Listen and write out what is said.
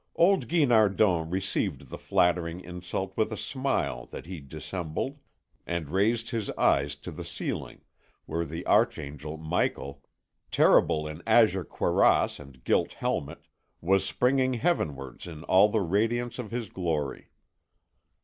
Old Guinardon received the flattering insult with a smile that he dissembled, and raised his eyes to the ceiling, where the archangel Michael, terrible in azure cuirass and gilt helmet, was springing heavenwards in all the radiance of his glory.